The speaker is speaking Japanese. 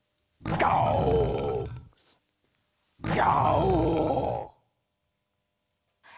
ガオ！